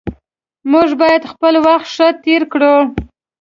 موږ باید خپل وخت ښه تیر کړو